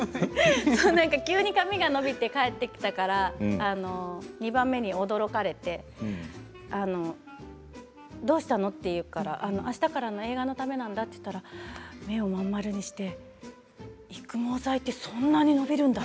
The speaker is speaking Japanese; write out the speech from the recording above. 急に髪が伸びて帰ってきたから２番目に驚かれてどうしたの？って言うからあしたからの映画のためなんだと言ったら目を真ん丸にして育毛剤ってそんなに伸びるんだ